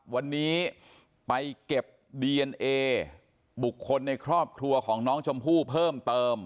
วันนี้ไปเก็บดีเอนเอบุคคลในครอบครัวของน้องชมพู่เพิ่มเติม